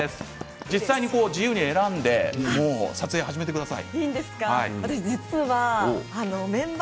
実際に自由に選んで撮影を始めてください。